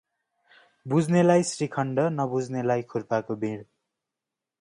बुझ्नेलाई श्रीखण्ड नबुझ्नेलाई खुर्पाको बिड!!